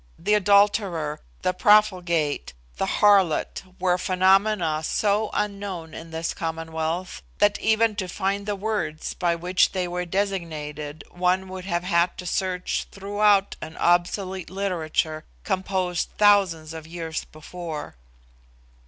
The adulterer, the profligate, the harlot, were phenomena so unknown in this commonwealth, that even to find the words by which they were designated one would have had to search throughout an obsolete literature composed thousands of years before.